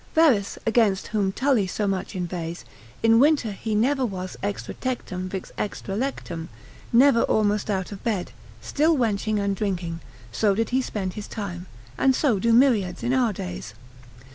Verres, against whom Tully so much inveighs, in winter he never was extra tectum vix extra lectum, never almost out of bed, still wenching and drinking; so did he spend his time, and so do myriads in our days.